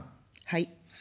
はい。